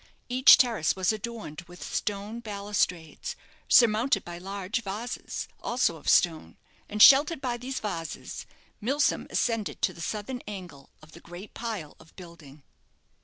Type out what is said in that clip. Each terrace was adorned with stone balustrades, surmounted by large vases, also of stone; and, sheltered by these vases, Milsom ascended to the southern angle of the great pile of building.